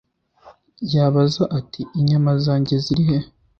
yabaza ati: "inyama zanjye ziri he’ "